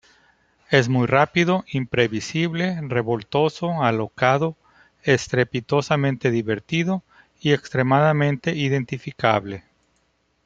Es muy rápido, imprevisible, revoltoso, alocado, estrepitosamente divertido y extremadamente identificable.